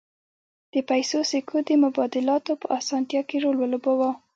د پیسو سکو د مبادلاتو په اسانتیا کې رول ولوباوه